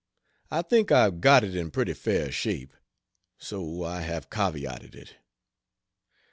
I think I've got it in pretty fair shape so I have caveated it.